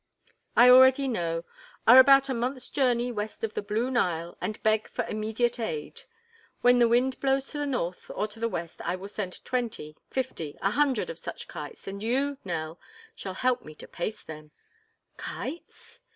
I already know, 'are about a month's journey west of the Blue Nile and beg for immediate aid.' When the wind blows to the north or to the west I will send twenty, fifty, a hundred of such kites and you, Nell, shall help me to paste them." "Kites?"